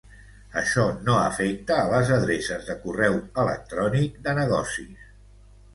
Això no afecta les adreces de correu electrònic de negocis.